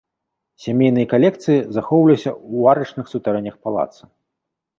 Сямейныя калекцыі захоўваліся ў арачных сутарэннях палаца.